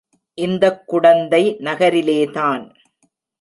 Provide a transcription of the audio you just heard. இந்தக் குடந்தை நகரிலேதான்.